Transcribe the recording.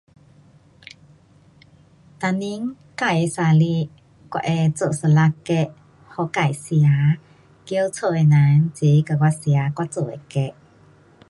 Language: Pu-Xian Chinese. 每年自的生日我会做一粒 cake, 给自吃。叫家的人齐跟我吃我做的 cake